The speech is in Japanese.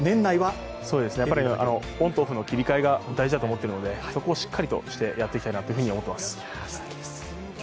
オンとオフの切り替えが大事だと思っているので、そこはしっかりしていきたいと思います。